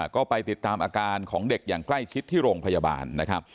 ก็ไปติดตามอาการของเด็กอย่างใกล้ชิดที่โรงพยาบาลนะครับ